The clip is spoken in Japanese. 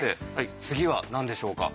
次は何でしょうか？